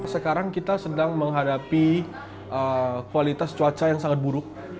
sekarang kita sedang menghadapi kualitas cuaca yang sangat buruk